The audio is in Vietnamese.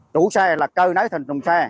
chủ xe là cơ nấy thần trùng xe